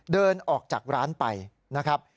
เดินออกจากร้านไปนะครับ